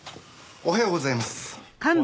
おはようございます。